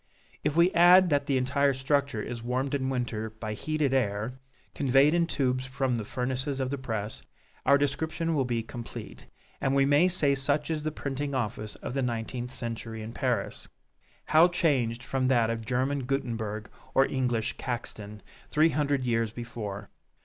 If we add that the entire structure is warmed in winter by heated air, conveyed in tubes from the furnaces of the press, our description will be complete, and we may say such is the printing office of the nineteenth century in Paris. How changed from that of German Guttenberg or English Caxton, three hundred years before!